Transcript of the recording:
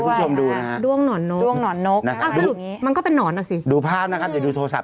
ที่ทำงานติดฟิล์มอีกหรือครับ